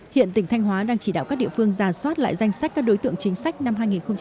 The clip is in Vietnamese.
hiện tỉnh thanh hóa đang chỉ đạo các địa phương giả soát lại danh sách các đối tượng chính sách năm hai nghìn hai mươi